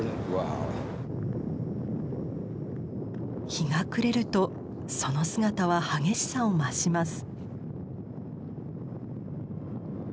日が暮れるとその姿は激しさを増します。